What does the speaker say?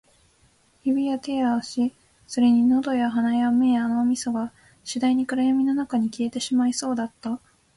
指や手や足、それに喉や鼻や目や脳みそが、次第に暗闇の中に消えてしまいそうだった